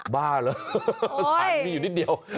บ้าเหรอฐานมีอยู่นิดเดียว